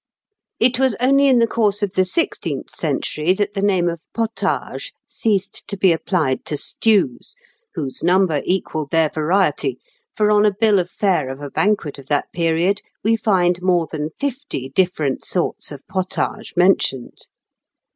] It was only in the course of the sixteenth century that the name of potage ceased to be applied to stews, whose number equalled their variety, for on a bill of fare of a banquet of that period we find more than fifty different sorts of potages mentioned.